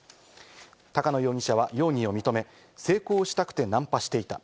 高野容疑者は容疑を認め、性交したくてナンパしていた。